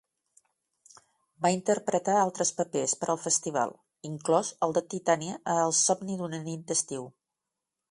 Va interpretar altres papers per al Festival, inclòs el de Titania a "El somni d'una nit d'estiu".